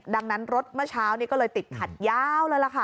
ดังนั้นรถเมื่อเช้านี้ก็เลยติดขัดยาวเลยล่ะค่ะ